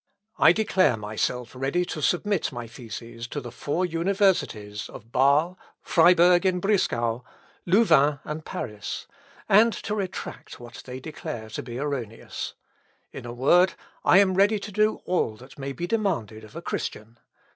I declare myself ready to submit my theses to the four universities of Bâsle, Friburg in Brisgau, Louvain, and Paris; and to retract what they declare to be erroneous. In a word, I am ready to do all that may be demanded of a Christian.